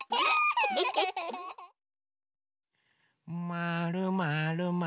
まるまるまる。